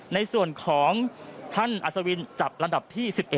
ในส่วนของท่านอัศวินจับลำดับที่๑๑